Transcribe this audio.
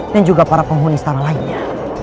dan juga para penghuni istana lainnya